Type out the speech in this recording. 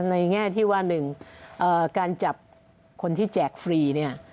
แง่ที่ว่า๑การจับคนที่แจกฟรีเนี่ย